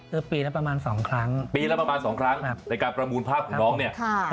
คือปีละประมาณสองครั้งปีละประมาณสองครั้งในการประมูลภาพของน้องเนี่ย